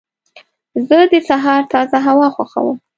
زه د سهار تازه هوا خوښوم.